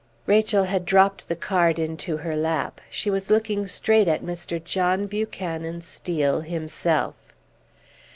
Rachel had dropped the card into her lap; she was looking straight at Mr. John Buchanan Steel himself.